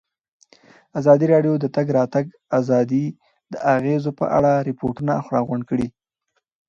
ازادي راډیو د د تګ راتګ ازادي د اغېزو په اړه ریپوټونه راغونډ کړي.